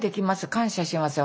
感謝しますよ